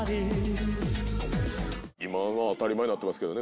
今は当たり前になってますけどね